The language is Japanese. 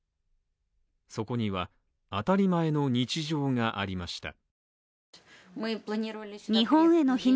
そこには当たり前の日常がありました。